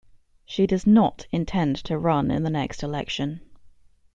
She does not intend to run in the next election.